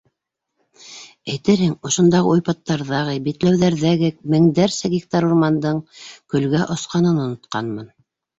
Әйтерһең, ошондағы уйпаттарҙағы, битләүҙәрҙәге меңдәрсә гектар урмандың көлгә осҡанын онотҡанмын.